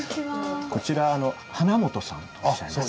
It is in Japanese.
こちら花本さんとおっしゃいます。